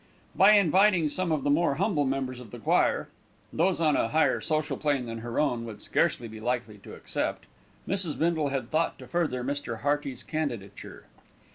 By inviting some of the more humble members of the choir, those on a higher social plane than her own would scarcely be likely to accept, Mrs. Bindle had thought to further Mr. Hearty's candidature.